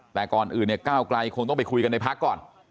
แต่ก่อนอื่นเนี่ยก้าวไกลคงต้องไปคุยกันในพักก่อน